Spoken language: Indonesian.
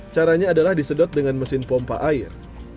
caranya adalah disedot dengan mesin pompa air